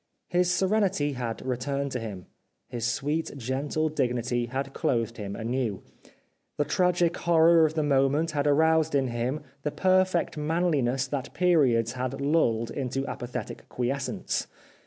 His serenity had returned to him. His sweet, gentle dignity had clothed him anew. The tragic horror of the moment had aroused in him the perfect man liness that periods had lulled into apathetic quiescence.